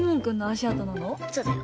そうだよ。